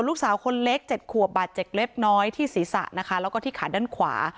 ลูกสาวคนเล็ก๗ขวบบาดเจ็บเล็กน้อยที่ศีรษะนะคะแล้วก็ที่ขาด้านขวา